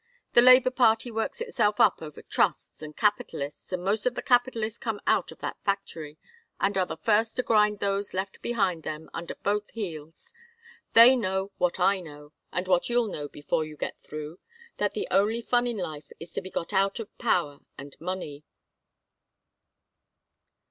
The labor party works itself up over trusts and capitalists, and most of the capitalists come out of that factory, and are the first to grind those left behind them, under both heels. They know what I know, and what you'll know before you get through, that the only fun in life is to be got out of power and money."